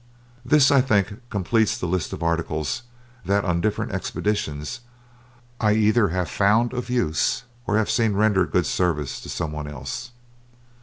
This, I think, completes the list of articles that on different expeditions I either have found of use, or have seen render good service to some one else.